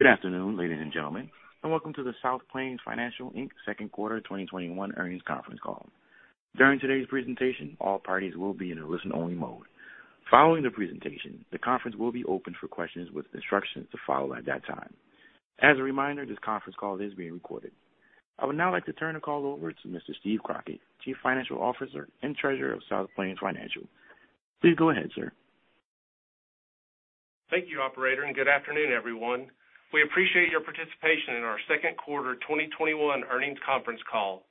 Good afternoon, ladies and gentlemen, and welcome to the South Plains Financial, Inc. Second Quarter 2021 Earnings Conference Call. During today's presentation, all parties will be in a listen-only mode. Following the presentation, the conference will be open for questions with instructions to follow at that time. As a reminder, this conference call is being recorded. I would now like to turn the call over to Mr. Steve Crockett, Chief Financial Officer and Treasurer of South Plains Financial. Please go ahead, sir. Thank you, operator, and good afternoon, everyone. We appreciate your participation in our second quarter 2021 earnings conference call.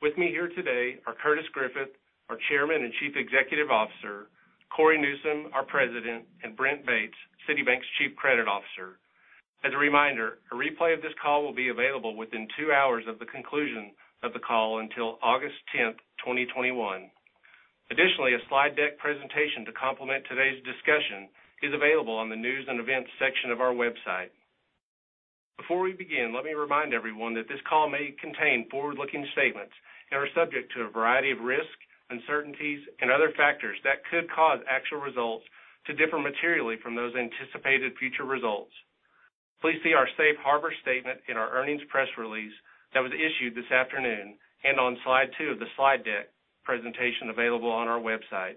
With me here today are Curtis Griffith, our Chairman and Chief Executive Officer, Cory Newsom, our President, and Brent Bates, City Bank's Chief Credit Officer. As a reminder, a replay of this call will be available within two hours of the conclusion of the call until August 10, 2021. Additionally, a slide deck presentation to complement today's discussion is available on the news and events section of our website. Before we begin, let me remind everyone that this call may contain forward-looking statements and are subject to a variety of risks, uncertainties, and other factors that could cause actual results to differ materially from those anticipated future results. Please see our safe harbor statement in our earnings press release that was issued this afternoon and on slide two of the slide deck presentation available on our website.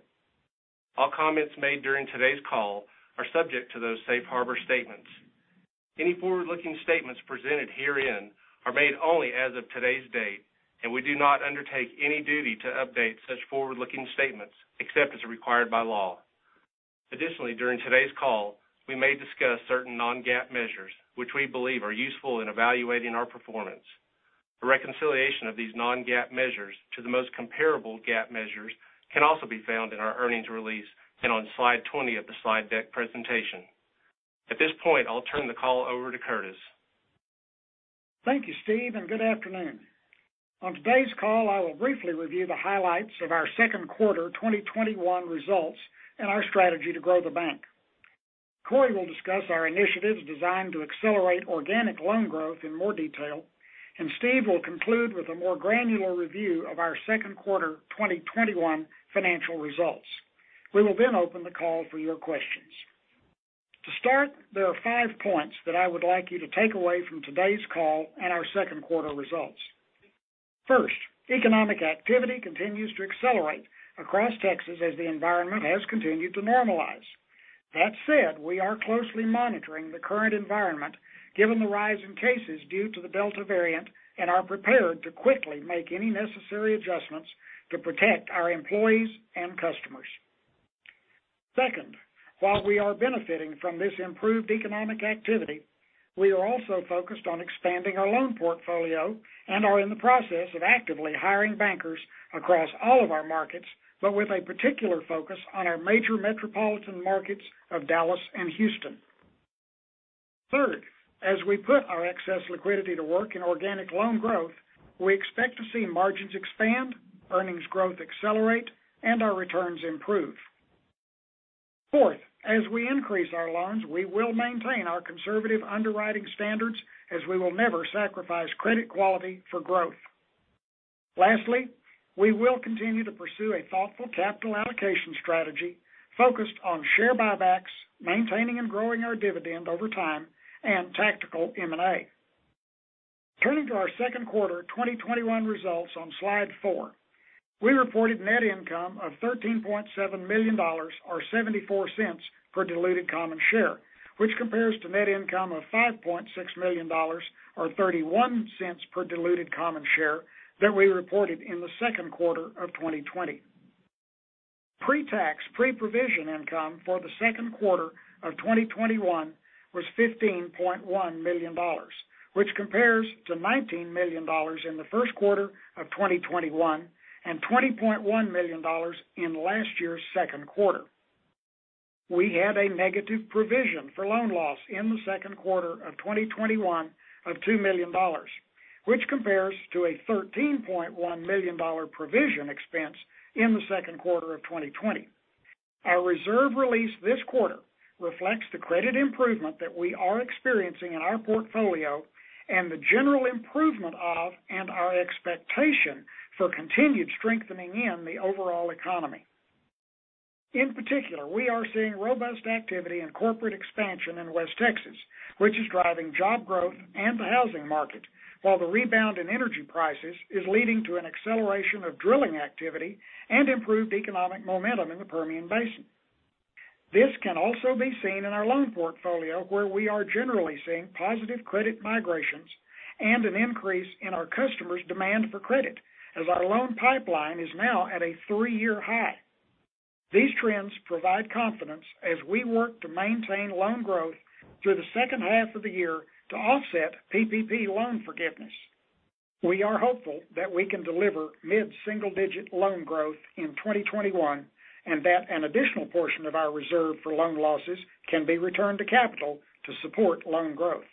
All comments made during today's call are subject to those safe harbor statements. Any forward-looking statements presented herein are made only as of today's date, and we do not undertake any duty to update such forward-looking statements except as required by law. Additionally, during today's call, we may discuss certain non-GAAP measures which we believe are useful in evaluating our performance. A reconciliation of these non-GAAP measures to the most comparable GAAP measures can also be found in our earnings release and on slide 20 of the slide deck presentation. At this point, I'll turn the call over to Curtis. Thank you, Steve. Good afternoon. On today's call, I will briefly review the highlights of our second quarter 2021 results and our strategy to grow the bank. Cory will discuss our initiatives designed to accelerate organic loan growth in more detail, and Steve will conclude with a more granular review of our second quarter 2021 financial results. We will open the call for your questions. To start, there are five points that I would like you to take away from today's call and our second quarter results. First, economic activity continues to accelerate across Texas as the environment has continued to normalize. That said, we are closely monitoring the current environment given the rise in cases due to the Delta variant and are prepared to quickly make any necessary adjustments to protect our employees and customers. Second, while we are benefiting from this improved economic activity, we are also focused on expanding our loan portfolio and are in the process of actively hiring bankers across all of our markets, but with a particular focus on our major metropolitan markets of Dallas and Houston. Third, as we put our excess liquidity to work in organic loan growth, we expect to see margins expand, earnings growth accelerate, and our returns improve. Fourth, as we will increase our loans, we will maintain our conservative underwriting standards as we will never sacrifice credit quality for growth. Lastly, we will continue to pursue a thoughtful capital allocation strategy focused on share buybacks, maintaining and growing our dividend over time, and tactical M&A. Turning to our second quarter 2021 results on slide four. We reported net income of $13.7 million, or $0.74 per diluted common share, which compares to net income of $5.6 million or $0.31 per diluted common share that we reported in the second quarter of 2020. Pre-tax, pre-provision income for the second quarter of 2021 was $15.1 million, which compares to $19 million in the first quarter of 2021 and $20.1 million in last year's second quarter. We had a negative provision for loan loss in the second quarter of 2021 of $2 million, which compares to a $13.1 million provision expense in the second quarter of 2020. Our reserve release this quarter reflects the credit improvement that we are experiencing in our portfolio and the general improvement of, and our expectation for continued strengthening in the overall economy. In particular, we are seeing robust activity in corporate expansion in West Texas, which is driving job growth and the housing market, while the rebound in energy prices is leading to an acceleration of drilling activity and improved economic momentum in the Permian Basin. This can also be seen in our loan portfolio, where we are generally seeing positive credit migrations and an increase in our customers' demand for credit as our loan pipeline is now at a three-year high. These trends provide confidence as we work to maintain loan growth through the second half of the year to offset PPP loan forgiveness. We are hopeful that we can deliver mid-single-digit loan growth in 2021, and that an additional portion of our reserve for loan losses can be returned to capital to support loan growth.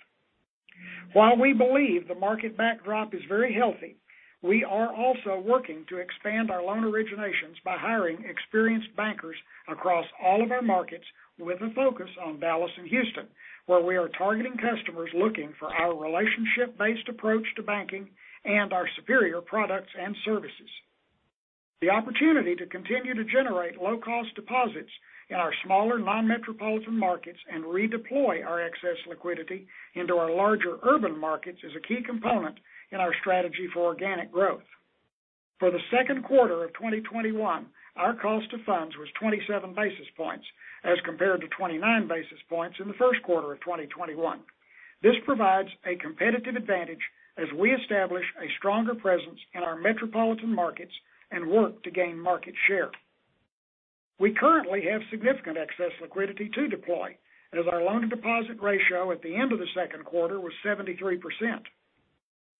While we believe the market backdrop is very healthy, we are also working to expand our loan originations by hiring experienced bankers across all of our markets with a focus on Dallas and Houston, where we are targeting customers looking for our relationship-based approach to banking and our superior products and services. The opportunity to continue to generate low-cost deposits in our smaller non-metropolitan markets and redeploy our excess liquidity into our larger urban markets is a key component in our strategy for organic growth. For the second quarter of 2021, our cost of funds was 27 basis points as compared to 29 basis points in the first quarter of 2021. This provides a competitive advantage as we establish a stronger presence in our metropolitan markets and work to gain market share. We currently have significant excess liquidity to deploy, as our loan-to-deposit ratio at the end of the second quarter was 73%.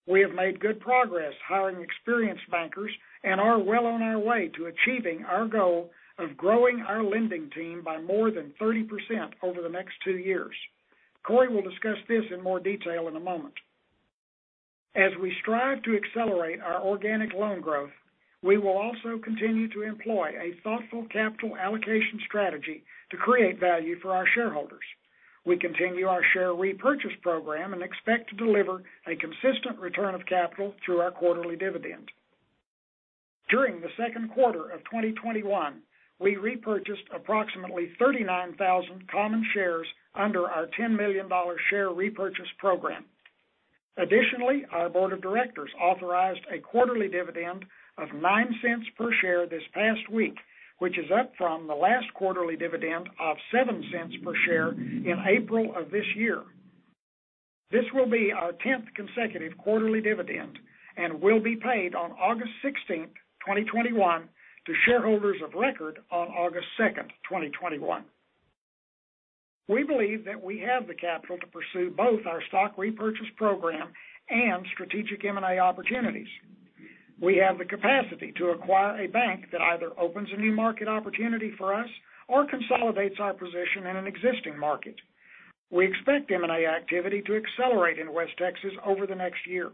We have made good progress hiring experienced bankers and are well on our way to achieving our goal of growing our lending team by more than 30% over the next two years. Cory will discuss this in more detail in a moment. As we strive to accelerate our organic loan growth, we will also continue to employ a thoughtful capital allocation strategy to create value for our shareholders. We continue our share repurchase program and expect to deliver a consistent return of capital through our quarterly dividend. During the second quarter of 2021, we repurchased approximately 39,000 common shares under our $10 million share repurchase program. Additionally, our board of directors authorized a quarterly dividend of $0.09 per share this past week, which is up from the last quarterly dividend of $0.07 per share in April of this year. This will be our 10th consecutive quarterly dividend and will be paid on August 16th, 2021, to shareholders of record on August 2nd, 2021. We believe that we have the capital to pursue both our stock repurchase program and strategic M&A opportunities. We have the capacity to acquire a bank that either opens a new market opportunity for us or consolidates our position in an existing market. We expect M&A activity to accelerate in West Texas over the next year.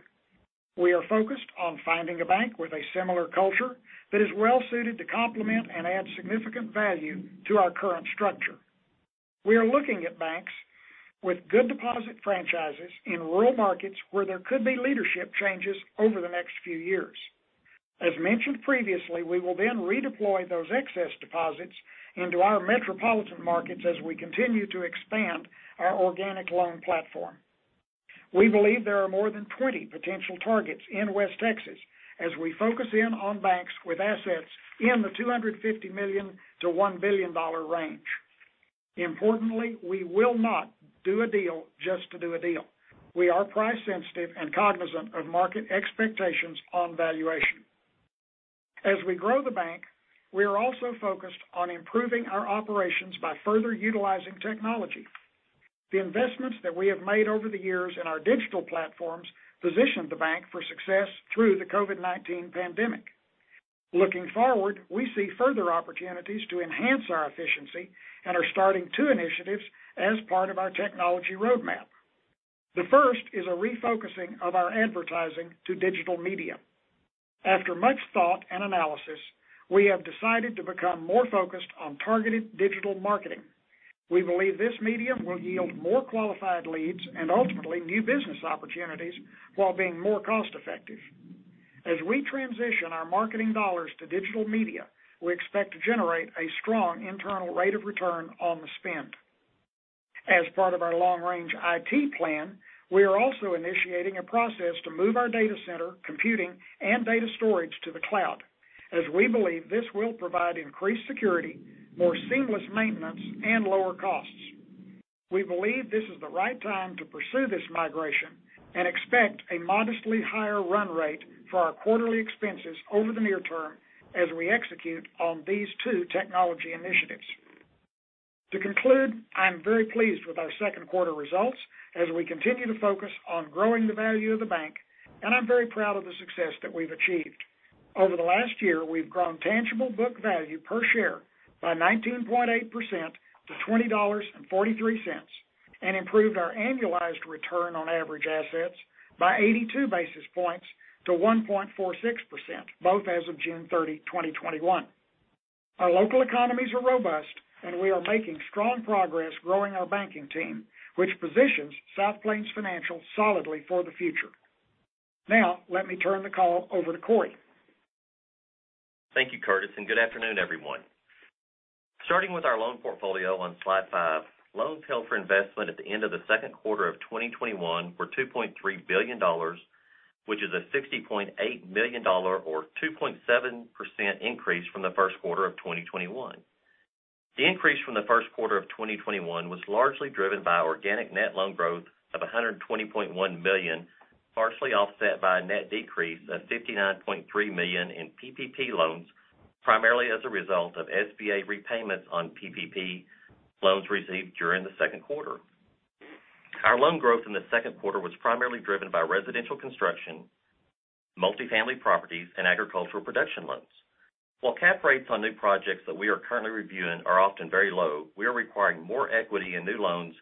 We are focused on finding a bank with a similar culture that is well-suited to complement and add significant value to our current structure. We are looking at banks with good deposit franchises in rural markets where there could be leadership changes over the next few years. As mentioned previously, we will then redeploy those excess deposits into our metropolitan markets as we continue to expand our organic loan platform. We believe there are more than 20 potential targets in West Texas as we focus in on banks with assets in the $250 million-$1 billion range. Importantly, we will not do a deal just to do a deal. We are price sensitive and cognizant of market expectations on valuation. As we grow the bank, we are also focused on improving our operations by further utilizing technology. The investments that we have made over the years in our digital platforms positioned the bank for success through the COVID-19 pandemic. Looking forward, we see further opportunities to enhance our efficiency and are starting two initiatives as part of our technology roadmap. The first is a refocusing of our advertising to digital media. After much thought and analysis, we have decided to become more focused on targeted digital marketing. We believe this medium will yield more qualified leads and ultimately new business opportunities while being more cost-effective. As we transition our marketing dollars to digital media, we expect to generate a strong internal rate of return on the spend. As part of our long range IT plan, we are also initiating a process to move our data center computing and data storage to the cloud, as we believe this will provide increased security, more seamless maintenance, and lower costs. We believe this is the right time to pursue this migration and expect a modestly higher run rate for our quarterly expenses over the near term as we execute on these two technology initiatives. To conclude, I am very pleased with our second quarter results as we continue to focus on growing the value of the bank, and I'm very proud of the success that we've achieved. Over the last year, we've grown tangible book value per share by 19.8% to $20.43 and improved our annualized return on average assets by 82 basis points to 1.46%, both as of June 30, 2021. Our local economies are robust, and we are making strong progress growing our banking team, which positions South Plains Financial solidly for the future. Now, let me turn the call over to Cory. Thank you, Curtis, and good afternoon, everyone. Starting with our loan portfolio on slide five, loans held for investment at the end of the second quarter of 2021 were $2.3 billion, which is a $60.8 million or 2.7% increase from the first quarter of 2021. The increase from the first quarter of 2021 was largely driven by organic net loan growth of $120.1 million, partially offset by a net decrease of $59.3 million in PPP loans, primarily as a result of SBA repayments on PPP loans received during the second quarter. Our loan growth in the second quarter was primarily driven by residential construction, multifamily properties, and agricultural production loans. While cap rates on new projects that we are currently reviewing are often very low, we are requiring more equity in new loans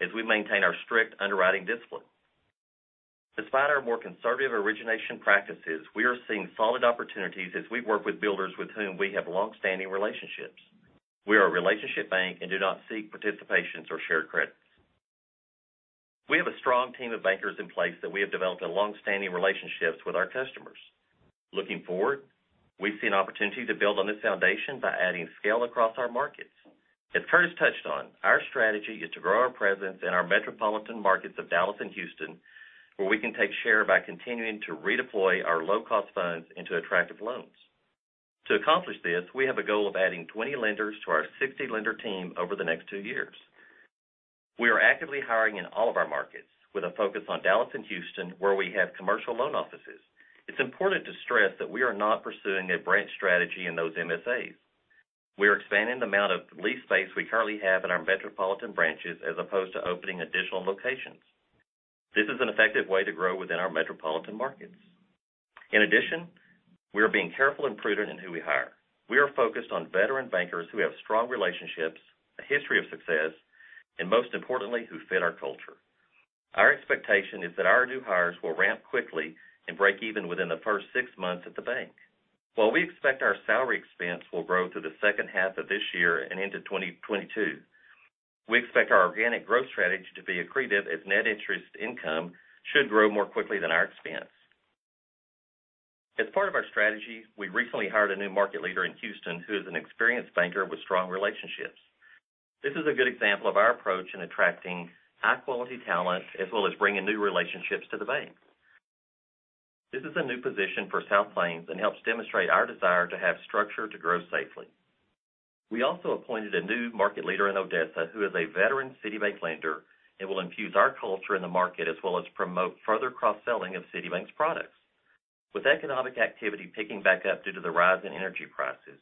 as we maintain our strict underwriting discipline. Despite our more conservative origination practices, we are seeing solid opportunities as we work with builders with whom we have longstanding relationships. We are a relationship bank and do not seek participations or shared credit. We have a strong team of bankers in place that we have developed longstanding relationships with our customers. Looking forward, we see an opportunity to build on this foundation by adding scale across our markets. As Curtis touched on, our strategy is to grow our presence in our metropolitan markets of Dallas and Houston, where we can take share by continuing to redeploy our low-cost funds into attractive loans. To accomplish this, we have a goal of adding 20 lenders to our 60-lender team over the next two years. We are actively hiring in all of our markets, with a focus on Dallas and Houston, where we have commercial loan offices. It's important to stress that we are not pursuing a branch strategy in those MSAs. We are expanding the amount of lease space we currently have in our metropolitan branches as opposed to opening additional locations. This is an effective way to grow within our metropolitan markets. In addition, we are being careful and prudent in who we hire. We are focused on veteran bankers who have strong relationships, a history of success, and most importantly, who fit our culture. Our expectation is that our new hires will ramp quickly and break even within the first six months at the bank. While we expect our salary expense will grow through the second half of this year and into 2022, we expect our organic growth strategy to be accretive as net interest income should grow more quickly than our expense. As part of our strategy, we recently hired a new market leader in Houston who is an experienced banker with strong relationships. This is a good example of our approach in attracting high-quality talent as well as bringing new relationships to the bank. This is a new position for South Plains and helps demonstrate our desire to have structure to grow safely. We also appointed a new market leader in Odessa who is a veteran City Bank lender and will infuse our culture in the market as well as promote further cross-selling of City Bank's products. With economic activity picking back up due to the rise in energy prices,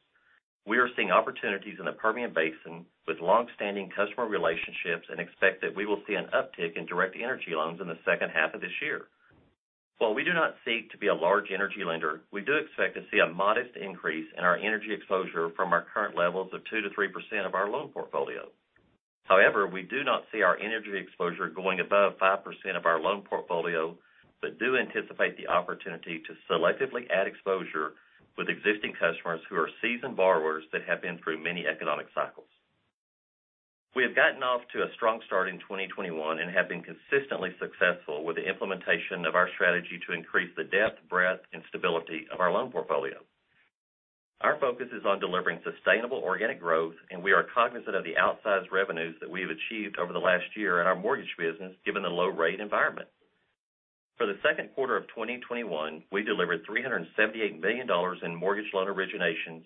we are seeing opportunities in the Permian Basin with longstanding customer relationships and expect that we will see an uptick in direct energy loans in the second half of this year. While we do not seek to be a large energy lender, we do expect to see a modest increase in our energy exposure from our current levels of 2%-3% of our loan portfolio. However, we do not see our energy exposure going above 5% of our loan portfolio but do anticipate the opportunity to selectively add exposure with existing customers who are seasoned borrowers that have been through many economic cycles. We have gotten off to a strong start in 2021 and have been consistently successful with the implementation of our strategy to increase the depth, breadth, and stability of our loan portfolio. Our focus is on delivering sustainable organic growth, and we are cognizant of the outsized revenues that we have achieved over the last year in our mortgage business, given the low rate environment. For the second quarter of 2021, we delivered $378 million in mortgage loan originations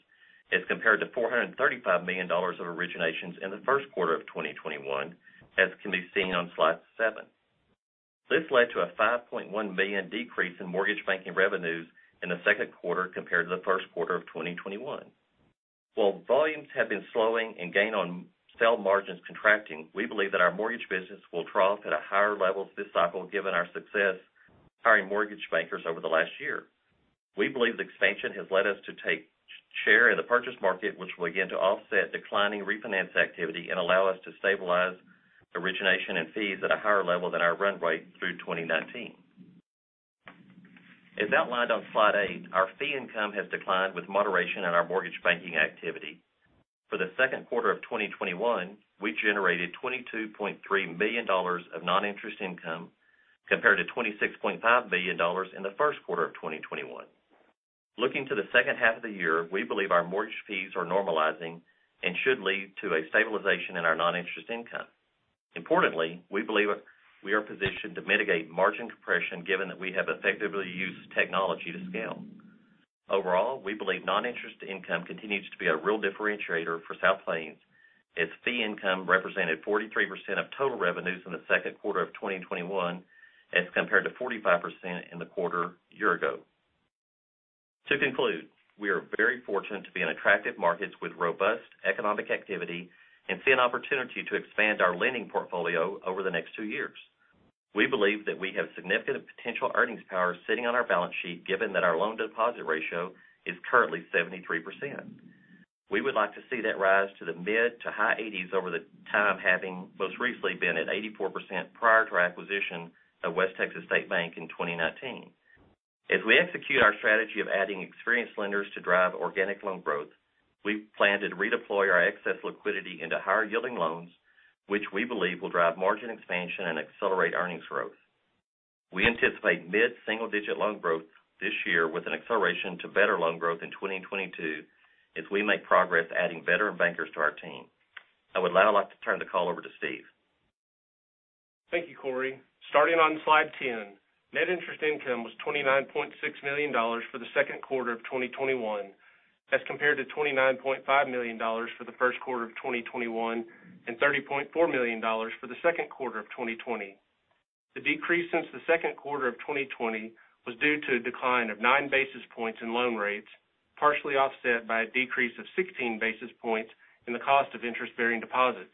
as compared to $435 million of originations in the first quarter of 2021, as can be seen on slide seven. This led to a $5.1 million decrease in mortgage banking revenues in the second quarter compared to the first quarter of 2021. While volumes have been slowing and gain-on-sale margins contracting, we believe that our mortgage business will trough at higher levels this cycle given our success hiring mortgage bankers over the last year. We believe the expansion has led us to take share in the purchase market, which will begin to offset declining refinance activity and allow us to stabilize origination and fees at a higher level than our run rate through 2019. As outlined on slide eight, our fee income has declined with moderation in our mortgage banking activity. For the second quarter of 2021, we generated $22.3 million of non-interest income compared to $26.5 million in the first quarter of 2021. Looking to the second half of the year, we believe our mortgage fees are normalizing and should lead to a stabilization in our non-interest income. Importantly, we believe we are positioned to mitigate margin compression given that we have effectively used technology to scale. Overall, we believe non-interest income continues to be a real differentiator for South Plains as fee income represented 43% of total revenues in the second quarter of 2021 as compared to 45% in the quarter a year ago. To conclude, we are very fortunate to be in attractive markets with robust economic activity and see an opportunity to expand our lending portfolio over the next two years. We believe that we have significant potential earnings power sitting on our balance sheet given that our loan-to-deposit ratio is currently 73%. We would like to see that rise to the mid to high 80s over time, having most recently been at 84% prior to our acquisition of West Texas State Bank in 2019. As we execute our strategy of adding experienced lenders to drive organic loan growth, we plan to redeploy our excess liquidity into higher-yielding loans, which we believe will drive margin expansion and accelerate earnings growth. We anticipate mid-single-digit loan growth this year with an acceleration to better loan growth in 2022 as we make progress adding veteran bankers to our team. I would now like to turn the call over to Steve. Thank you, Cory. Starting on slide 10, net interest income was $29.6 million for the second quarter of 2021 as compared to $29.5 million for the first quarter of 2021 and $30.4 million for the second quarter of 2020. The decrease since the second quarter of 2020 was due to a decline of 9 basis points in loan rates, partially offset by a decrease of 16 basis points in the cost of interest-bearing deposits.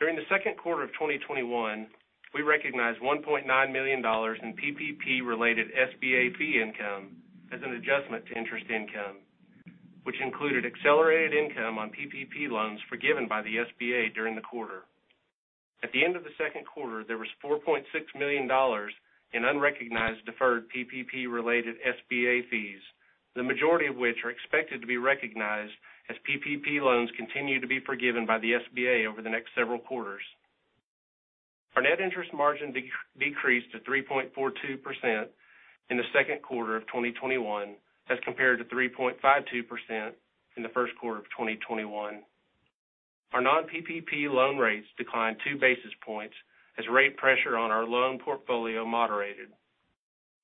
During the second quarter of 2021, we recognized $1.9 million in PPP-related SBA fee income as an adjustment to interest income, which included accelerated income on PPP loans forgiven by the SBA during the quarter. At the end of the second quarter, there was $4.6 million in unrecognized deferred PPP-related SBA fees. The majority of which are expected to be recognized as PPP loans continue to be forgiven by the SBA over the next several quarters. Our net interest margin decreased to 3.42% in the second quarter of 2021 as compared to 3.52% in the first quarter of 2021. Our non-PPP loan rates declined 2 basis points as rate pressure on our loan portfolio moderated.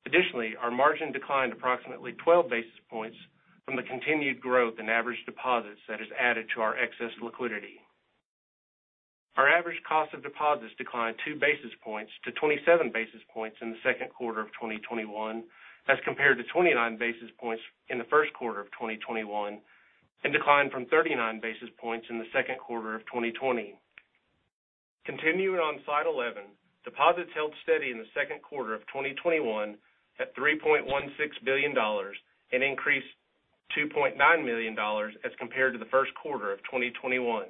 Additionally, our margin declined approximately 12 basis points from the continued growth in average deposits that has added to our excess liquidity. Our average cost of deposits declined 2 basis points to 27 basis points in the second quarter of 2021 as compared to 29 basis points in the first quarter of 2021, and declined from 39 basis points in the second quarter of 2020. Continuing on slide 11, deposits held steady in the second quarter of 2021 at $3.16 billion and increased to $2.9 million as compared to the first quarter of 2021.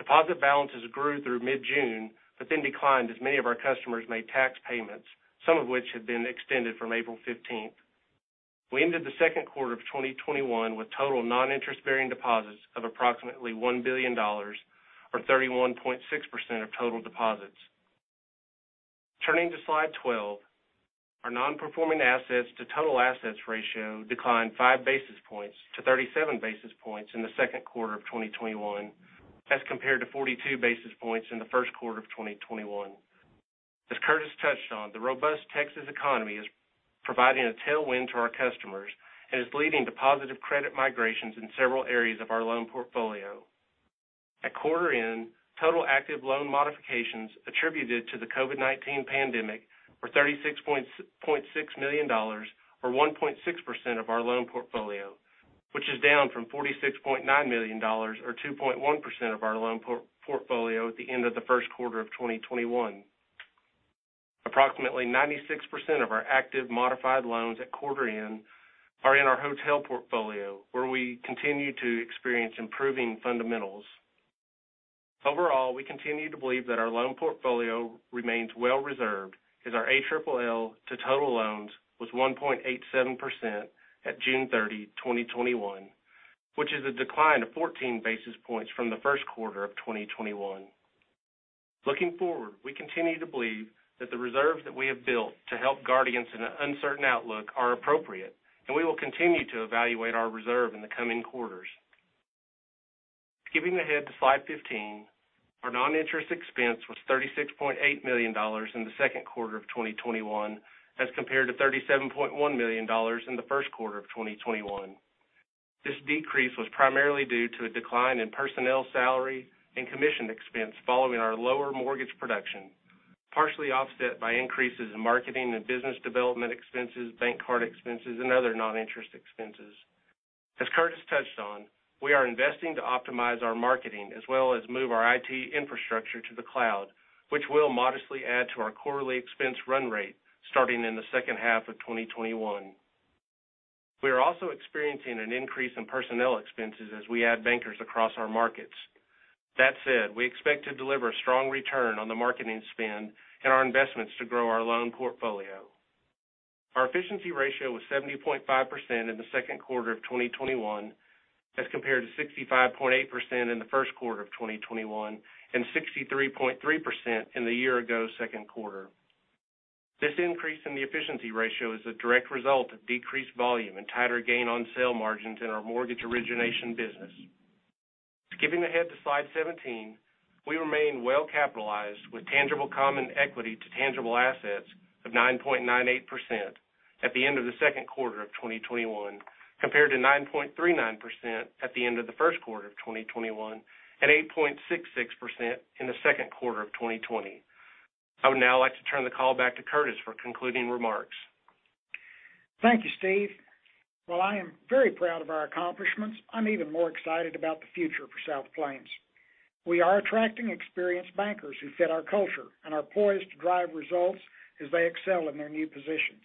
Deposit balances grew through mid-June, but then declined as many of our customers made tax payments, some of which had been extended from April 15th. We ended the second quarter of 2021 with total non-interest-bearing deposits of approximately $1 billion or 31.6% of total deposits. Turning to slide 12, our non-performing assets to total assets ratio declined 5 basis points to 37 basis points in the second quarter of 2021 as compared to 42 basis points in the first quarter of 2021. As Curtis touched on, the robust Texas economy is providing a tailwind to our customers and is leading to positive credit migrations in several areas of our loan portfolio. At quarter end, total active loan modifications attributed to the COVID-19 pandemic were $36.6 million, or 1.6% of our loan portfolio, which is down from $46.9 million, or 2.1% of our loan portfolio at the end of the first quarter of 2021. Approximately 96% of our active modified loans at quarter end are in our hotel portfolio, where we continue to experience improving fundamentals. Overall, we continue to believe that our loan portfolio remains well reserved as our ALL to total loans was 1.87% at June 30, 2021, which is a decline of 14 basis points from the first quarter of 2021. Looking forward, we continue to believe that the reserves that we have built to help guard against an uncertain outlook are appropriate, and we will continue to evaluate our reserve in the coming quarters. Skipping ahead to slide 15, our non-interest expense was $36.8 million in the second quarter of 2021 as compared to $37.1 million in the first quarter of 2021. This decrease was primarily due to a decline in personnel salary and commission expense following our lower mortgage production, partially offset by increases in marketing and business development expenses, bank card expenses, and other non-interest expenses. As Curtis touched on, we are investing to optimize our marketing as well as move our IT infrastructure to the cloud, which will modestly add to our quarterly expense run rate starting in the second half of 2021. We are also experiencing an increase in personnel expenses as we add bankers across our markets. That said, we expect to deliver a strong return on the marketing spend and our investments to grow our loan portfolio. Our efficiency ratio was 70.5% in the second quarter of 2021 as compared to 65.8% in the first quarter of 2021 and 63.3% in the year ago second quarter. This increase in the efficiency ratio is a direct result of decreased volume and tighter gain-on-sale margins in our mortgage origination business. Skipping ahead to slide 17, we remain well-capitalized with tangible common equity to tangible assets of 9.98% at the end of the second quarter of 2021, compared to 9.39% at the end of the first quarter of 2021 and 8.66% in the second quarter of 2020. I would now like to turn the call back to Curtis for concluding remarks. Thank you, Steve. While I am very proud of our accomplishments, I'm even more excited about the future for South Plains. We are attracting experienced bankers who fit our culture and are poised to drive results as they excel in their new positions.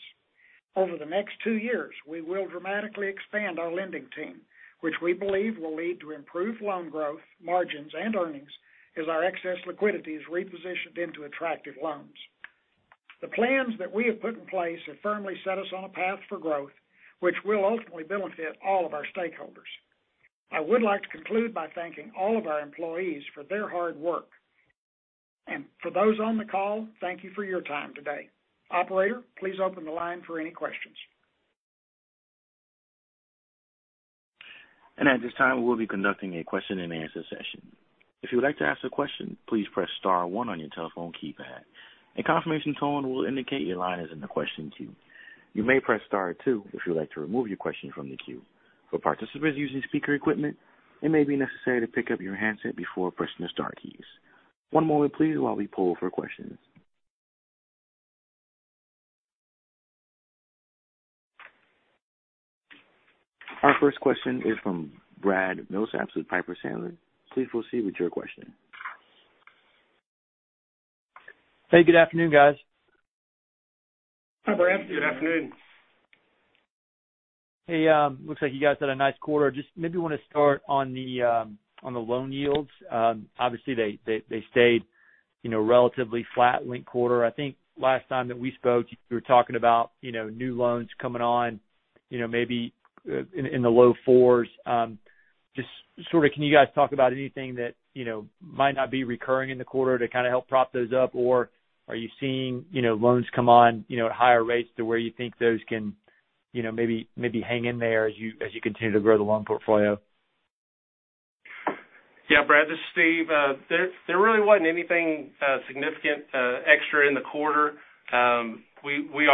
Over the next two years, we will dramatically expand our lending team, which we believe will lead to improved loan growth, margins, and earnings as our excess liquidity is repositioned into attractive loans. The plans that we have put in place have firmly set us on a path for growth, which will ultimately benefit all of our stakeholders. I would like to conclude by thanking all of our employees for their hard work. For those on the call, thank you for your time today. Operator, please open the line for any questions. And at this time, we'll be conducting a question-and-answer session. If you'd like to ask a question, please press star one on your telephone keypad. A confirmation tone will indicate your line is in the question queue. You may press star two if you'd like to remove your question from the queue. For participants using speaker equipment, it may be necessary to pick up your headset before pressing the star keys. One moment please while we pull for questions. Our first question is from Brad Milsaps with Piper Sandler. Please proceed with your question. Hey, good afternoon, guys. Hi, Brad. Good afternoon. Hey, looks like you guys had a nice quarter. Just maybe want to start on the loan yields. Obviously, they stayed relatively flat linked quarter. I think last time that we spoke, you were talking about new loans coming on maybe in the low fours. Just sort of can you guys talk about anything that might not be recurring in the quarter to kind of help prop those up? Or are you seeing loans come on at higher rates to where you think those can maybe hang in there as you continue to grow the loan portfolio? Yeah, Brad, this is Steve. There really wasn't anything significant extra in the quarter. We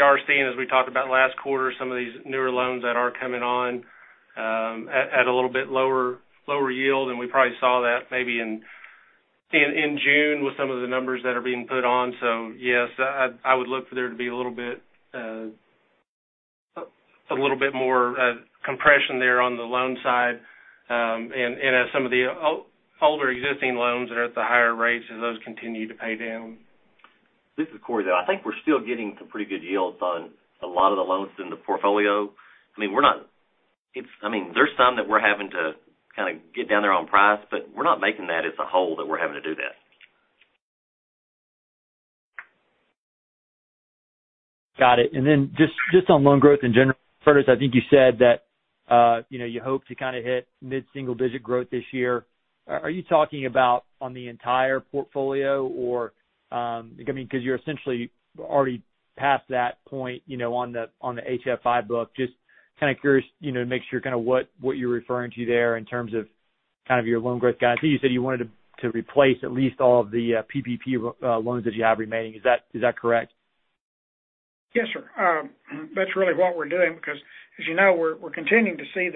are seeing, as we talked about last quarter, some of these newer loans that are coming on at a little bit lower yield, and we probably saw that maybe in June with some of the numbers that are being put on. Yes, I would look for there to be a little bit more compression there on the loan side, and as some of the older existing loans that are at the higher rates, as those continue to pay down. This is Cory. I think we're still getting some pretty good yields on a lot of the loans in the portfolio. There's some that we're having to kind of get down there on price, but we're not making that as a whole, that we're having to do that. Got it. Just on loan growth in general, Curtis, I think you said that you hope to kind of hit mid-single digit growth this year. Are you talking about on the entire portfolio because you're essentially already past that point on the HFI book? Just kind of curious, make sure kind of what you're referring to there in terms of your loan growth guide. I think you said you wanted to replace at least all of the PPP loans that you have remaining. Is that correct? Yes, sir. That's really what we're doing, we're continuing to see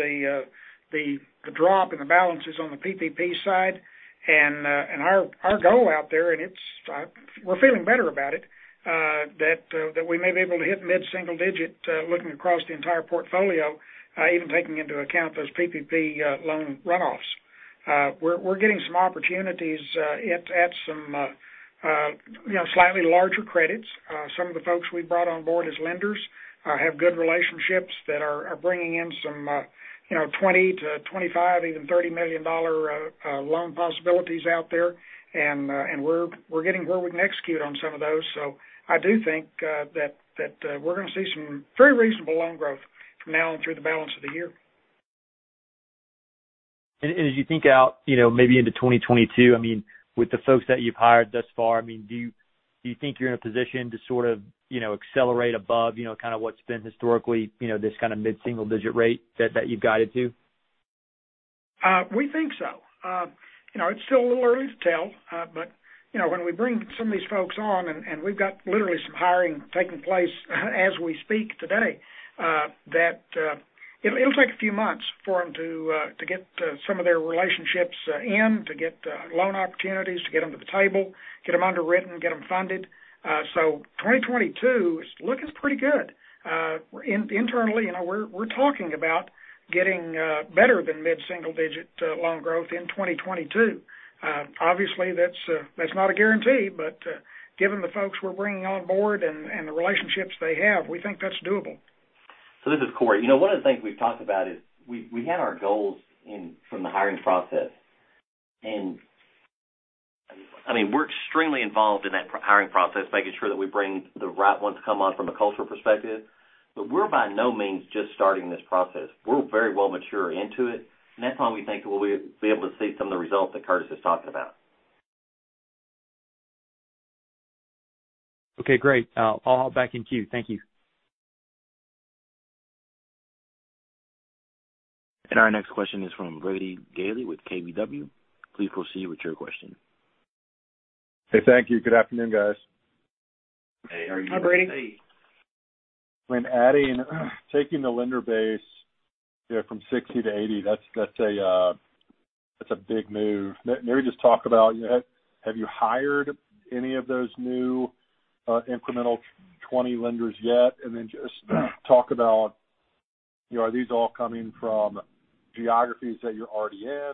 the drop and balances on the PPP side, and our goal out there is, and we're feeling better about it, that we may be able to hit mid-single digit looking across the entire portfolio, even taking into account those PPP loan runoffs. We're getting some opportunities at some slightly larger credits. Some of the folks we brought on board as lenders have good relationships that are bringing in some $20 million-$25 million, even $30 million loan possibilities out there, and we're getting where we can execute on some of those. I do think that we're going to see some very reasonable loan growth from now and through the balance of the year. As you think out maybe into 2022, with the folks that you've hired thus far, do you think you're in a position to sort of accelerate above kind of what's been historically this kind of mid-single digit rate that you've guided to? We think so. It's still a little early to tell when we bring some of these folks on, and we've got literally some hiring taking place as we speak today, that it'll take a few months for them to get some of their relationships in, to get loan opportunities, to get them to the table, get them underwritten, get them funded. So 2022 is looking pretty good. Internally, we're talking about getting better than mid-single digit loan growth in 2022. Obviously, that's not a guarantee, given the folks we're bringing on board and the relationships they have, we think that's doable. This is Cory. One of the things we've talked about is we had our goals from the hiring process, and we're extremely involved in that hiring process, making sure that we bring the right ones to come on from a cultural perspective. We're by no means just starting this process. We're very well mature into it, and that's why we think we'll be able to see some of the results that Curtis is talking about. Okay, great. I'll hop back in queue. Thank you. Our next question is from Brady Gailey with KBW. Please proceed with your question. Hey, thank you. Good afternoon, guys. Hey, how are you, Brady? Hi, Brady. When taking the lender base from 60-80, that's a big move. Maybe just talk about have you hired any of those new incremental 20 lenders yet? Just talk about are these all coming from geographies that you're already in,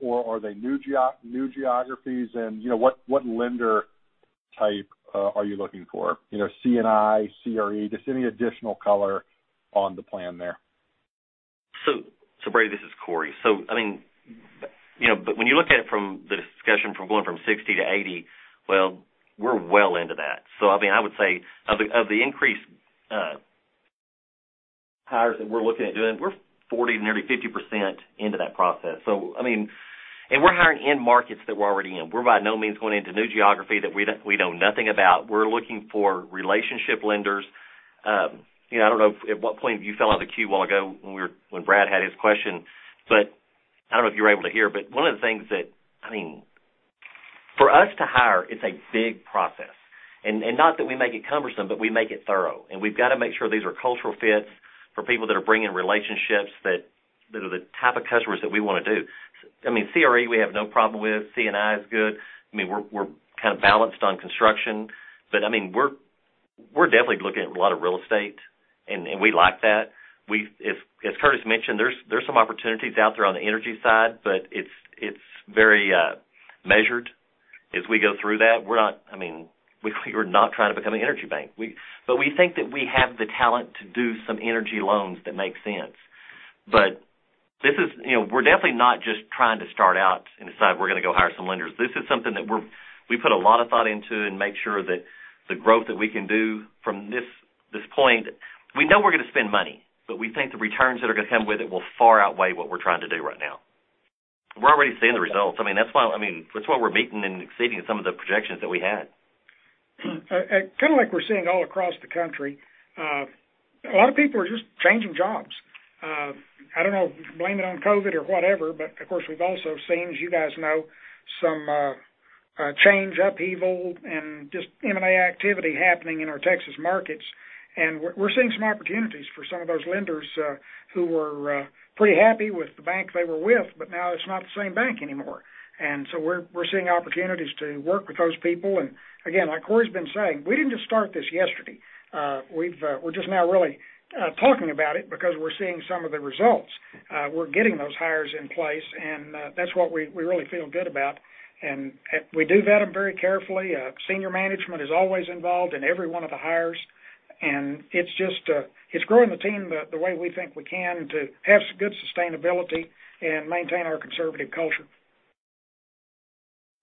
or are they new geographies? What lender type are you looking for? C&I, CRE, just any additional color on the plan there. Brady, this is Cory. When you look at it from the discussion from going from 60-80, well, we're well into that. I would say of the increased hires that we're looking at doing, we're 40% to nearly 50% into that process. We're hiring in markets that we're already in. We're by no means going into new geography that we know nothing about. We're looking for relationship lenders. I don't know at what point you fell out of the queue a while ago when Brad had his question, but I don't know if you were able to hear, but one of the things that for us to hire, it's a big process. Not that we make it cumbersome, but we make it thorough, and we've got to make sure these are cultural fits for people that are bringing relationships that are the type of customers that we want to do. CRE, we have no problem with. C&I is good. We're kind of balanced on construction. We're definitely looking at a lot of real estate, and we like that. As Curtis mentioned, there's some opportunities out there on the energy side, but it's very measured as we go through that. We're not trying to become an energy bank. We think that we have the talent to do some energy loans that make sense. We're definitely not just trying to start out and decide we're going to go hire some lenders. This is something that we put a lot of thought into and make sure that the growth that we can do from this point, we know we're going to spend money, but we think the returns that are going to come with it will far outweigh what we're trying to do right now. We're already seeing the results. That's why we're meeting and exceeding some of the projections that we had. Kind of like we're seeing all across the country, a lot of people are just changing jobs. I don't know, blame it on COVID-19 or whatever. Of course, we've also seen, as you guys know, some change, upheaval, and just M&A activity happening in our Texas markets. We're seeing some opportunities for some of those lenders who were pretty happy with the bank they were with. Now it's not the same bank anymore. We're seeing opportunities to work with those people. Again, like Cory's been saying, we didn't just start this yesterday. We're just now really talking about it because we're seeing some of the results. We're getting those hires in place. That's what we really feel good about. We do vet them very carefully. Senior management is always involved in every one of the hires, and it's growing the team the way we think we can to have good sustainability and maintain our conservative culture.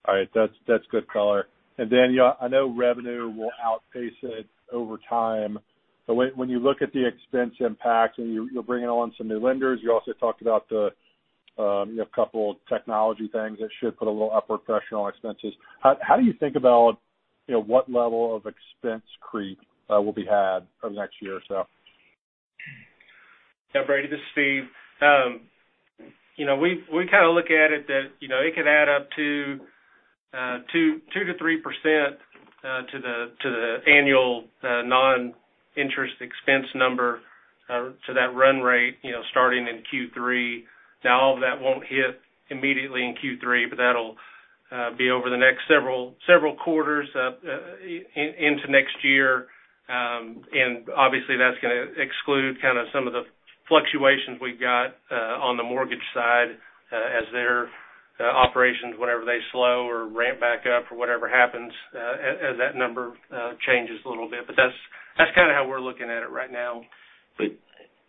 All right. That's good color. I know revenue will outpace it over time, but when you look at the expense impact and you're bringing on some new lenders, you also talked about the couple of technology things that should put a little upward pressure on expenses. How do you think about what level of expense creep will be had over the next year or so? Brady, this is Steve. We kind of look at it that it could add up to 2%-3% to the annual non-interest expense number to that run rate starting in Q3. All of that won't hit immediately in Q3, but that'll be over the next several quarters into next year. Obviously, that's going to exclude kind of some of the fluctuations we've got on the mortgage side as their operations, whenever they slow or ramp back up or whatever happens, as that number changes a little bit. That's kind of how we're looking at it right now.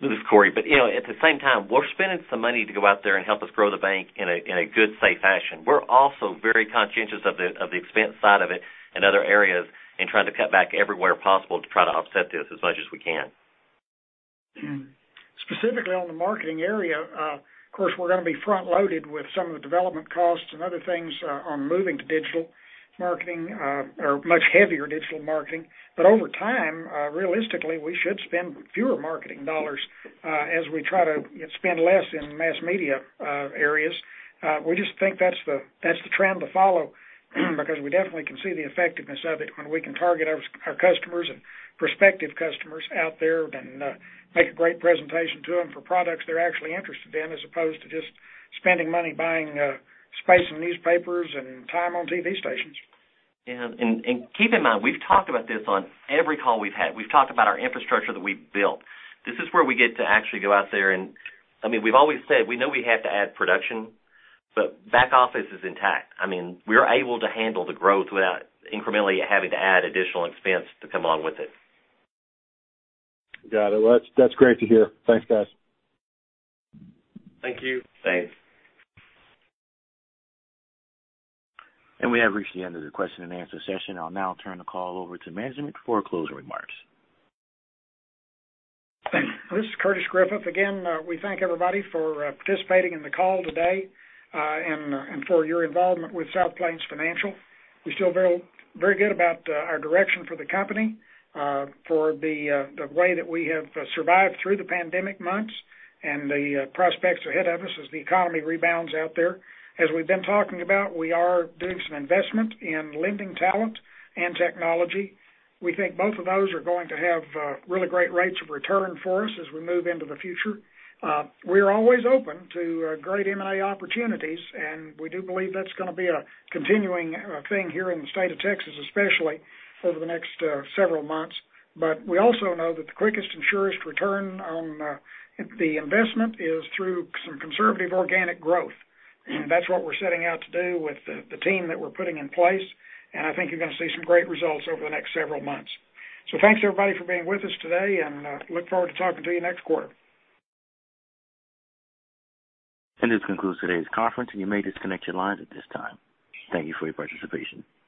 This is Cory. At the same time, we're spending some money to go out there and help us grow the bank in a good, safe fashion. We're also very conscientious of the expense side of it in other areas and trying to cut back everywhere possible to try to offset this as much as we can. Specifically on the marketing area, of course, we're going to be front-loaded with some of the development costs and other things on moving to digital marketing or much heavier digital marketing. Over time, realistically, we should spend fewer marketing dollars as we try to spend less in mass media areas. We just think that's the trend to follow because we definitely can see the effectiveness of it when we can target our customers and prospective customers out there and make a great presentation to them for products they're actually interested in, as opposed to just spending money buying space in newspapers and time on TV stations. Yeah. Keep in mind, we've talked about this on every call we've had. We've talked about our infrastructure that we've built. This is where we get to actually go out there. We've always said, we know we have to add production, but back office is intact. We are able to handle the growth without incrementally having to add additional expense to come along with it. Got it. Well, that's great to hear. Thanks, guys. Thank you. Thanks. We have reached the end of the question and answer session. I'll now turn the call over to management for closing remarks. This is Curtis Griffith. Again, we thank everybody for participating in the call today and for your involvement with South Plains Financial. We feel very good about our direction for the company, for the way that we have survived through the pandemic months, and the prospects ahead of us as the economy rebounds out there. As we've been talking about, we are doing some investment in lending talent and technology. We think both of those are going to have really great rates of return for us as we move into the future. We're always open to great M&A opportunities, and we do believe that's going to be a continuing thing here in the state of Texas, especially over the next several months. We also know that the quickest and surest return on the investment is through some conservative organic growth. That's what we're setting out to do with the team that we're putting in place, and I think you're going to see some great results over the next several months. Thanks, everybody, for being with us today, and look forward to talking to you next quarter. This concludes today's conference, and you may disconnect your lines at this time. Thank you for your participation.